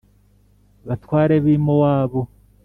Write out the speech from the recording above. batware b i Mowabu